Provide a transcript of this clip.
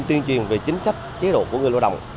tiên truyền về chính sách chế độ của người lưu động